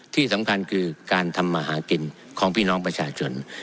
ที่สำคัญคือการทำมาหากินของพี่น้องประชาชน